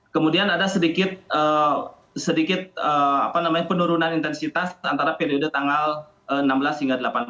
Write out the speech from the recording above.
kemudian ada sedikit penurunan intensitas antara periode tanggal enam belas hingga delapan belas